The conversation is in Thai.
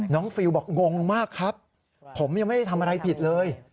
ฟิลบอกงงมากครับผมยังไม่ได้ทำอะไรผิดเลย